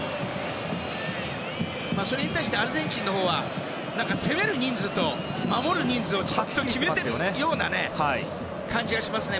それに対してアルゼンチンのほうは攻める人数と守る人数をちゃんと決めているような感じがしますね。